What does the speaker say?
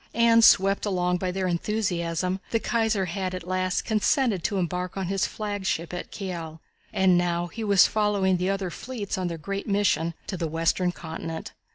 And swept along by their enthusiasm the Kaiser had at last consented to embark on his flagship at Kiel, and now he was following the other fleets on their great mission to the Western Continent.